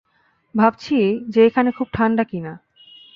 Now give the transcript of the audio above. ভাবছি যে এখানে খুব ঠান্ডা কিনা।